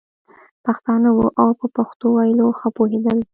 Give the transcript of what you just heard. پښتانه وو او په پښتو ویلو ښه پوهېدل.